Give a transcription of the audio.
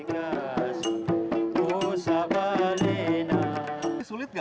tetapi tak terlalu ag enam puluh sembilan